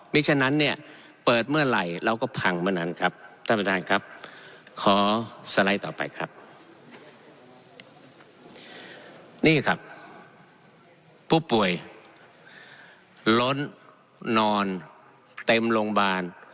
มีฉะนั้นเนี่ยเปิดเมื่อไหร่เราก็พังเมื่อนั้นครับท่านประธานครับขอสไลด์ต่อไปครับนี่ครับผู้ป่วยล้นนอนเต็มโรงพยาบาล